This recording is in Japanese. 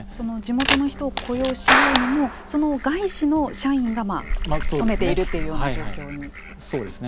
地元の人を雇用しようにもその外資の社員が勤めているというようなそうですね。